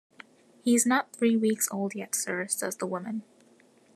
"He is not three weeks old yet, sir," says the woman.